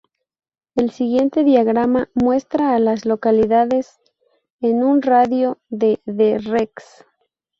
El siguiente diagrama muestra a las localidades en un radio de de Rex.